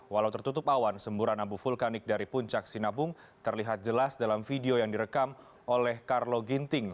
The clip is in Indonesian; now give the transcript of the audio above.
walau tertutup awan semburan abu vulkanik dari puncak sinabung terlihat jelas dalam video yang direkam oleh carlo ginting